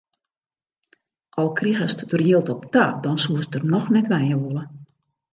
Al krigest der jild op ta, dan soest der noch net wenje wolle.